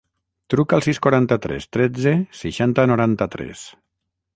Truca al sis, quaranta-tres, tretze, seixanta, noranta-tres.